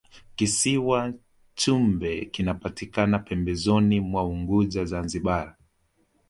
kisiwa chumbe kinapatikana pembezoni mwa unguja zanzibar